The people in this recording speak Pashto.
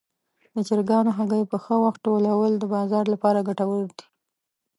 د چرګانو هګۍ په ښه وخت ټولول د بازار لپاره ګټور دي.